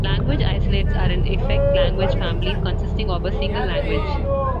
Language isolates are in effect language families consisting of a single language.